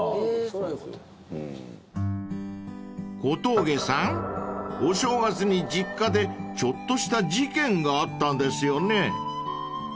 ［小峠さんお正月に実家でちょっとした事件があったんですよね］